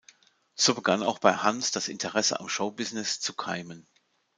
So begann auch bei Hans das Interesse am Showbusiness zu keimen.